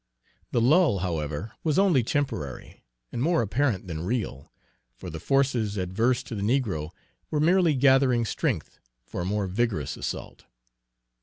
The lull, however, was only temporary, and more apparent than real, for the forces adverse to the negro were merely gathering strength for a more vigorous assault.